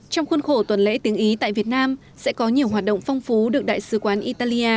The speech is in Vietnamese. trong khuôn khổ tuần lễ tiếng ý tại việt nam sẽ có nhiều hoạt động phong phú được đại sứ quán italia